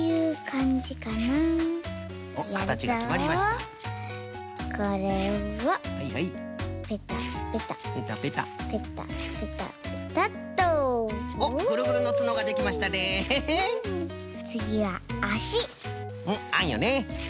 んっあんよね！